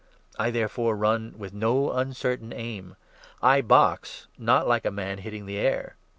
I, therefore, run with no uncertain aim. I box — 26 not like a man hitting the air.